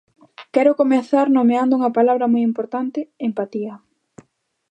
Quero comezar nomeando unha palabra moi importante: empatía.